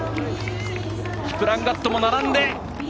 キプランガットも並んで。